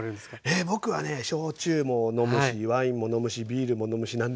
え僕はね焼酎も飲むしワインも飲むしビールも飲むし何でもいきますよ。